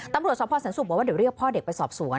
ตำรับสอบพ่อเสียงศูนย์บอกว่าเดี๋ยวเรียกพ่อเด็กไปสอบสวน